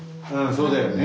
そうだよね。